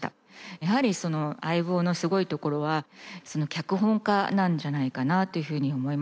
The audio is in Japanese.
やはり『相棒』のすごいところは脚本家なんじゃないかなというふうに思います。